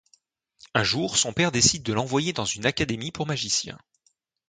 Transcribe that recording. Un jour, son père décide de l'envoyer dans une académie pour magiciens.